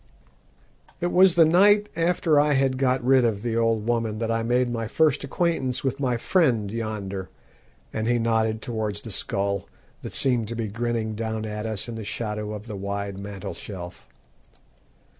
"It was the night after I had got rid of the old woman that I made my first acquaintance with my friend yonder," and he nodded towards the skull that seemed to be grinning down at us in the shadow of the wide mantelshelf.